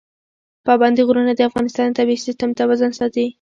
پابندي غرونه د افغانستان د طبعي سیسټم توازن ساتي.